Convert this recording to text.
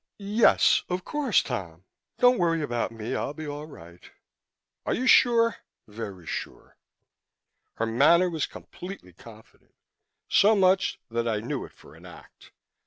"N yes, of course, Tom. Don't worry about me; I'll be all right." "Are you sure?" "Very sure." Her manner was completely confident so much so that I knew it for an act.